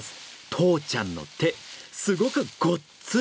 とうちゃんの手すごくごっついんです。